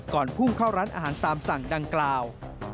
พุ่งเข้าร้านอาหารตามสั่งดังกล่าว